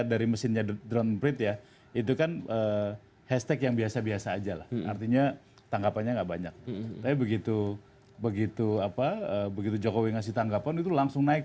terima kasih total